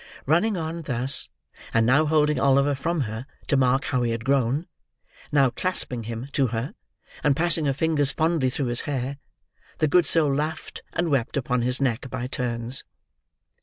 Running on thus, and now holding Oliver from her to mark how he had grown, now clasping him to her and passing her fingers fondly through his hair, the good soul laughed and wept upon his neck by turns.